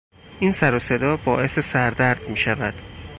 این سروصدا باعث سردرد میشود.